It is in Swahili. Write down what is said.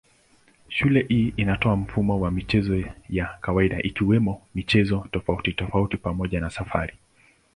Shule hii inatoa mfumo wa michezo ya ziada ikiwemo michezo tofautitofauti pamoja na safari.